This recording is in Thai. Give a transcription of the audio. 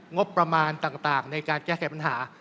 งบประมาณต่างในการแก้ไขปัญหา